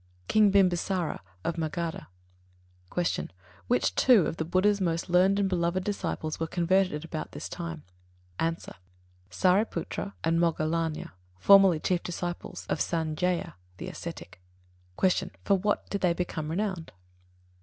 King Bimbisāra, of Magadha. 82. Q. Which two of the Buddha's most learned and beloved disciples were converted at about this time? A. Sāriputra and Moggallāna, formerly chief disciples of Sañjaya, the ascetic. 83. Q. For what did they become renowned? A.